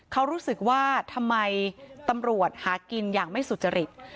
เขารู้สึกว่าทำไมตำรวจหากินอย่างไม่สุจริต